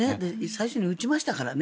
最初に打ちましたからね。